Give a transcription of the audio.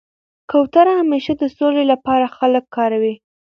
کوتره همېشه د سولي له پاره خلک کاروي.